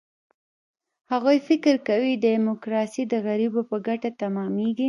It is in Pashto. هغوی فکر کوي، ډیموکراسي د غریبو په ګټه تمامېږي.